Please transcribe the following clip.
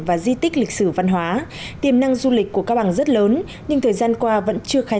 và di tích lịch sử văn hóa tiềm năng du lịch của cao bằng rất lớn nhưng thời gian qua vẫn chưa khai